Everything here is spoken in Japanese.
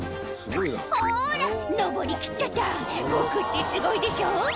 「ほら登りきっちゃった僕ってすごいでしょ」